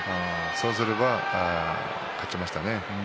そうすれば勝ちましたね。